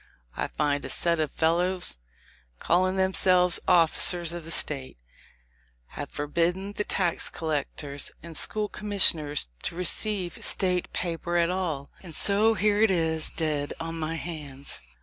I find a set of fellows, calling themselves officers of the State, have forbid den the tax collectors and school commissioners to receive State paper at all ; and so here it is dead on my hands.